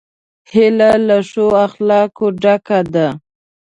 هیلۍ له ښو اخلاقو ډکه ده